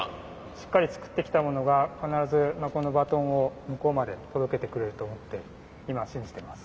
しっかり作ってきたものが必ずこのバトンを向こうまで届けてくれると思って今は信じてます。